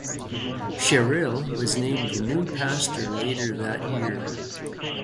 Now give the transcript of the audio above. Sherill was named the new pastor later that year.